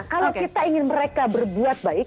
kalau kita ingin mereka berbuat baik